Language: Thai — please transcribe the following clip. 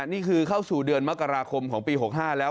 นี่คือเข้าสู่เดือนมกราคมของปี๖๕แล้ว